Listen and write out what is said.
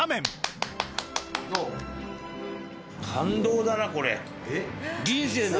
感動だなこれ。